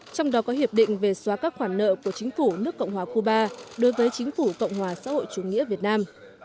trong đó có hiệp định về xóa các khoản nợ của chính phủ nước cộng hòa cuba đối với chính phủ cộng hòa xã hội chủ nghĩa việt nam